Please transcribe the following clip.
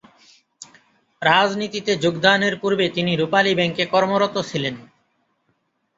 রাজনীতিতে যোগদানের পূর্বে তিনি রূপালী ব্যাংকে কর্মরত ছিলেন।